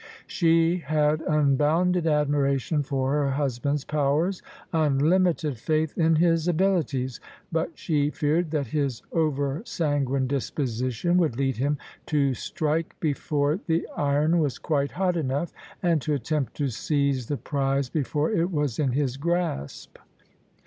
She had unbounded admiration for her husband's powers — ^unlimited faith in his abilities: but she feared that his over sanguine disposition would lead him to strike before the iron was quite hot enough, and to attempt to seize the prize before it was in his grasp.